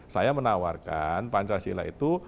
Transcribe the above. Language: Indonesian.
saya menawarkan pancasila itu